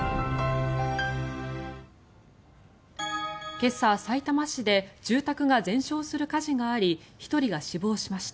今朝、さいたま市で住宅が全焼する火事があり１人が死亡しました。